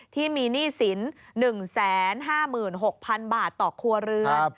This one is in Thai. ที่มีหนี้สิน๑๕๖๐๐๐บาทต่อครัวเรือน